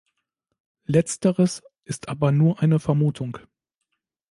Letzteres ist aber nur eine Vermutung.